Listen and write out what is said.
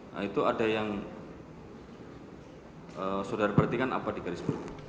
nah itu ada yang saudara perhatikan apa di garis berikut